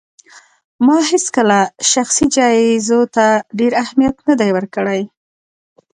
ما هيڅکله شخصي جايزو ته ډېر اهمیت نه دی ورکړی